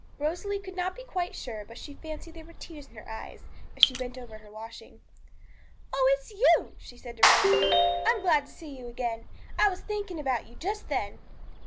Rosalie could not be quite sure, but she fancied there were tears in her eyes as she bent over her washing. 'Oh, it's you!' she said to Rosalie. 'I am glad to see you again; I was thinking about you just then.'